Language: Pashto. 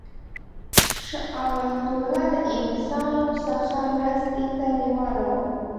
شجاع الدوله له انګلیسیانو څخه مرستې ته لېواله وو.